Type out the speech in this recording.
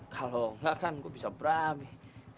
kalau enggak kan gue bisa berani